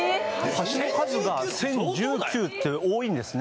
橋の数が１０１９って多いんですね